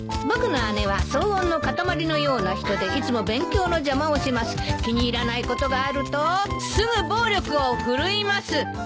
「僕の姉は騒音のかたまりのような人でいつも勉強の邪魔をします」「気に入らないことがあるとすぐ暴力を振るいます」